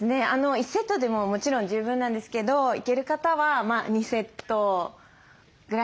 １セットでももちろん十分なんですけどいける方は２セットぐらいかな。